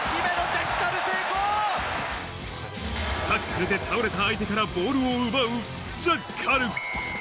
タックルで倒れた相手からボールを奪うジャッカル。